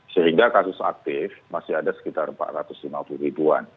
sehingga kasus aktif masih ada sekitar empat ratus lima puluh ribuan